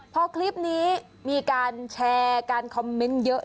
พอคลิปนี้มีการแชร์การคอมเมนต์เยอะ